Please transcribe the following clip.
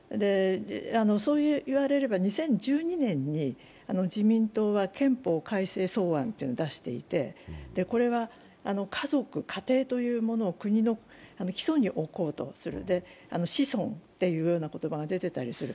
そういわれれば２０１２年に自民党は憲法改正草案というのを出していてこれは家族、家庭というものを国の基礎に置こうとしようとして子孫っていう言葉が出てたりする。